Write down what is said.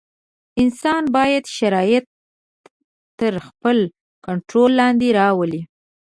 انسان باید شرایط تر خپل کنټرول لاندې راولي.